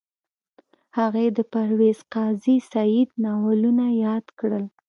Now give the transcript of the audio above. هغې د پرویز قاضي سعید ناولونه یاد کړل